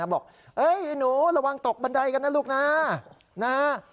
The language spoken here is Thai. ป้าก็บอกเฮ้ยหนูระวังตกบันไดกันนะลูกน่า